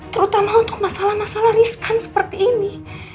terutama untuk masalah masalah riskan seperti ini